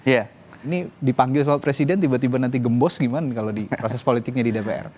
ini dipanggil sama presiden tiba tiba nanti gembos gimana kalau di proses politiknya di dpr